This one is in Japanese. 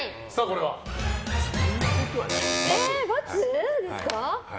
×ですか？